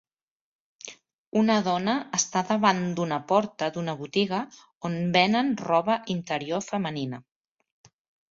Una dona està davant d'una porta d'una botiga on venen roba interior femenina.